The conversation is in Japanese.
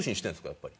やっぱり。